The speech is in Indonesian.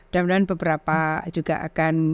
dan beberapa juga akan